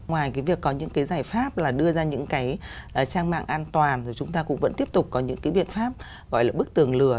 ngoài cái việc có những cái giải pháp là đưa ra những cái trang mạng an toàn rồi chúng ta cũng vẫn tiếp tục có những cái biện pháp gọi là bức tường lừa